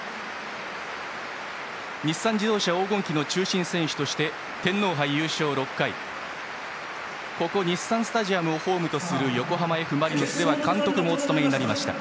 日産自動車黄金期の中心選手として天皇杯優勝６回日産スタジアムをホームとする横浜Ｆ・マリノスでは監督もお務めになりました。